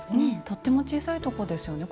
とっても小さいとこですよね。